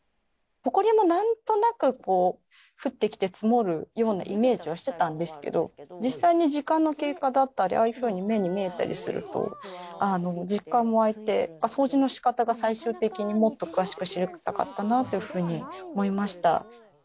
ホコリもなんとなく降ってきて積もるようなイメージはしてたんですけど実際に時間の経過だったりああいうふうに目に見えたりすると実感もわいて掃除の仕方が最終的にもっと詳しく知りたかったなというふうに思いました。